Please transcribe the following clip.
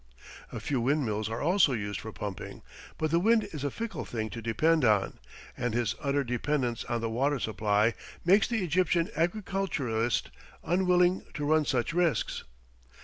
A few windmills are also used for pumping, but the wind is a fickle thing to depend on, and his utter dependence on the water supply makes the Egyptian agriculturist unwilling to run such risks.